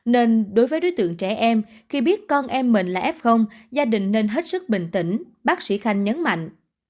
nên đối với đối tượng trẻ em khi biết con em mình là f gia đình nên hết sức bình tĩnh bác sĩ khanh nhấn mạnh